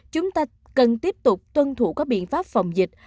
chúng ta cần tiếp tục tuân thủ các biện pháp phòng dịch